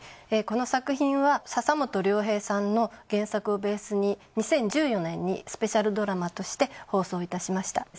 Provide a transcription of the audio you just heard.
この作品は笹本稜平さんの原作をベースに２０１４年にスペシャルドラマとして放送いたしました。